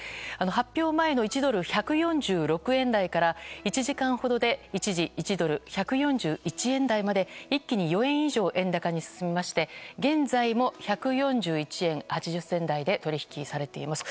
発表前の１ドル＝１４６円台から１時間ほどで一時、１ドル＝１４１円台まで一気に４円以上円高に進みまして現在も１４１円８０銭台で取引されています。